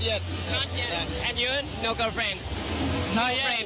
ที่สนชนะสงครามเปิดเพิ่ม